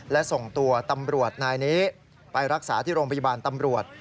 และส่งตัวตำรวจนายนี้ไปรักษาที่โรงพยาบาลตำรวจ